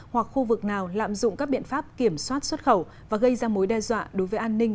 hoặc khu vực nào lạm dụng các biện pháp kiểm soát xuất khẩu và gây ra mối đe dọa đối với an ninh